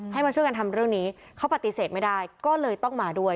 มาช่วยกันทำเรื่องนี้เขาปฏิเสธไม่ได้ก็เลยต้องมาด้วย